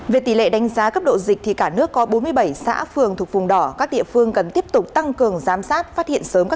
về tỷ lệ đánh giá cấp độ dịch thì cả nước có bốn mươi bảy xã phường thuộc vùng đỏ các địa phương cần tiếp tục tăng cường giám sát phát hiện sớm các